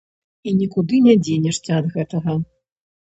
І нікуды не дзенешся ад гэтага.